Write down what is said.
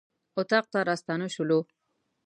اطاق ته راستانه شولو.